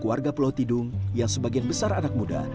warga pulau tidung yang sebagian besar anak muda